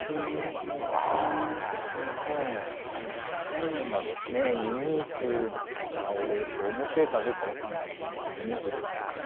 本人が「ユニークだ俺」って思ってるかどうか分かんないんですけどユニークですよね。